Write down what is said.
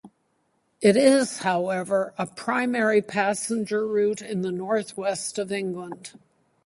It is, however, a primary passenger route in the North West of England.